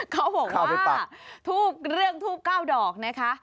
เขาบอกว่าเรื่องทูบเก้าดอกนะคะ